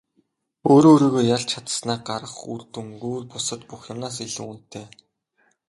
Өөрөө өөрийгөө ялж чадсанаа гарах үр дүн өөр бусад бүх юмнаас илүү үнэтэй.